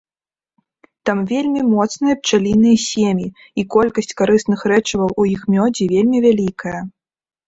Там вельмі моцныя пчаліныя сем'і, і колькасць карысных рэчываў у іх мёдзе вельмі вялікая.